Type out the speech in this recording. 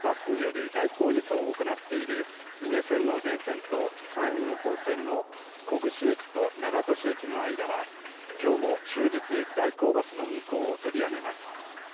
先日の大雨でバスによる代行輸送を行っている美祢線の全線と山陰本線の小串駅と長門市駅の間は、きょうも終日、代行バスの運行を取りやめます。